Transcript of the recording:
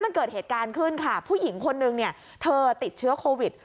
มันเกิดเหตุการณ์ขึ้นค่ะผู้หญิงคนนึงเนี่ยเธอติดเชื้อโควิด